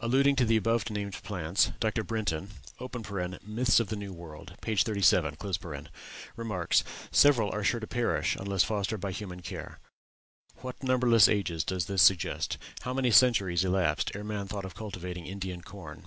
Alluding to the above named plants Dr. Brinton ("Myths of the New World," p. 37) remarks, 'Several are sure to perish unless fostered by human care. What numberless ages does this suggest? How many centuries elapsed ere man thought of cultivating Indian corn?